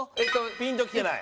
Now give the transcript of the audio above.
ピンときてない？